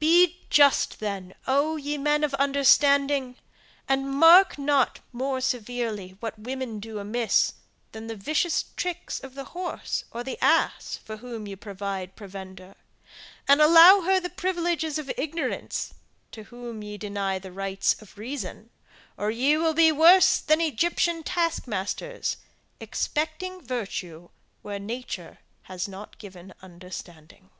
Be just then, O ye men of understanding! and mark not more severely what women do amiss, than the vicious tricks of the horse or the ass for whom ye provide provender, and allow her the privileges of ignorance, to whom ye deny the rights of reason, or ye will be worse than Egyptian task masters, expecting virtue where nature has not given understanding!